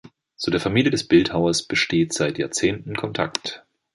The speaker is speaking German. Zu der Familie des Bildhauers besteht seit Jahrzehnten Kontakt.